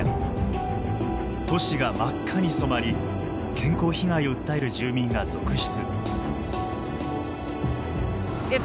都市が真っ赤に染まり健康被害を訴える住民が続出。